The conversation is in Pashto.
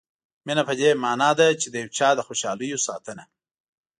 مینه په دې معنا ده چې د یو چا د خوشالیو ساتنه.